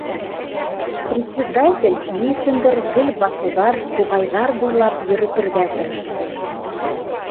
Председатель, ни өсөндөр, гел баҫыуҙар, туғайҙар буйлап йөрөтөргә тырышты.